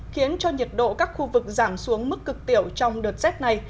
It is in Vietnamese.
khiến cho nhiệt độ các khu vực giảm xuống mức cực tiểu trong đợt rét này